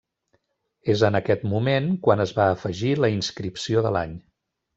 És en aquest moment quan es va afegir la inscripció de l'any.